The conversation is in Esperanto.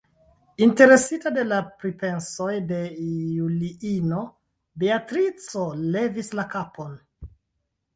Interesita de la pripensoj de Juliino, Beatrico levis la kapon.